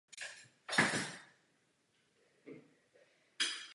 Na kameni je vyobrazen Mojžíš držící desky Desatera.